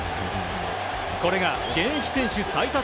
これが現役選手最多